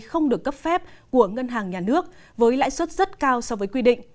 không được cấp phép của ngân hàng nhà nước với lãi suất rất cao so với quy định